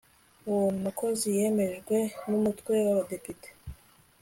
uwo mukozi yemejwe n umutwe w abadepite